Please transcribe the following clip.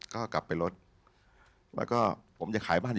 พระพุทธพิบูรณ์ท่านาภิรม